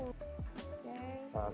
disimpan juga memang harus benar benar matang